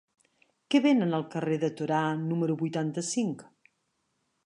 Què venen al carrer de Torà número vuitanta-cinc?